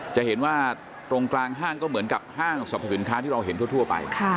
จะเห็นว่าตรงกลางห้างก็เหมือนกับห้างสรรพสินค้าที่เราเห็นทั่วไป